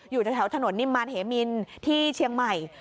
อยู่แถวถนนนิมมารเหมินที่เชียงใหม่